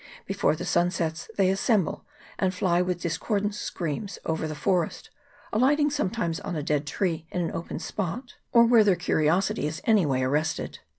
Before the sun sets they assemble and fly with discordant screams over the forest, alighting sometimes on a dead tree in an open spot, or where their curiosity is in any way arrested.